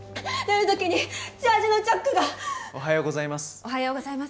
おはようございます。